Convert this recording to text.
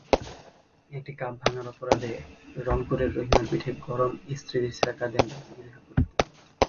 একটি কাপ ভাঙার অপরাধে রংপুরের রহিমার পিঠে গরম ইস্তিরির ছেঁকা দেন গৃহকর্ত্রী।